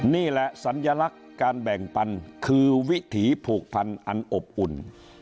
นี่แหละสัญลักษณ์การแบ่งปันคือวิถีผูกพันอันอบอุ่น